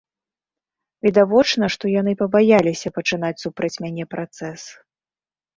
Відавочна, што яны пабаяліся пачынаць супраць мяне працэс.